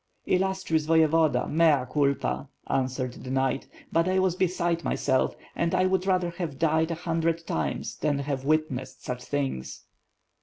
"Illustrious Voyevoda, mea culpa!" answered the knight. "But I was beside myself and I would rather have died a hundred times than have witnessed such tilings."